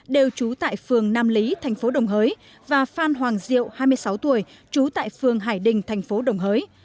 đều trú tại phường nam lý tp đồng hới và phan hoàng diệu hai mươi sáu tuổi trú tại phường hải đình tp đồng hới